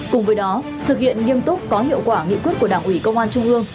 cùng với đó thực hiện nghiêm túc có hiệu quả nghị quyết của đảng ủy công an trung ương